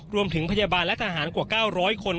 พยาบาลและทหารกว่า๙๐๐คน